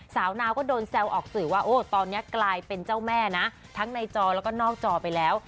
สาวนาวก็โดนแซวออกสื่อว่าโอ้ตอนนี้กลายเป็นเจ้าแม่นะทั้งในจอแล้วก็นอกจอไปแล้ว